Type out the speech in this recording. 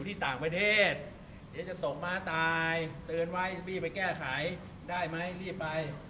ที่ต่างประเทศเดี๋ยวจะตกม้าตายเตือนไว้พี่ไปแก้ไขได้ไหมรีบไป